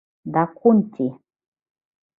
— Дакунти!